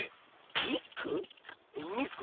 ニック？